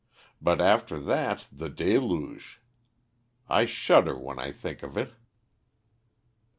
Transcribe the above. But after that, the deluge; I shudder when I think of it."